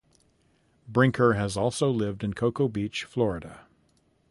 Brinker has also lived in Cocoa Beach, Florida.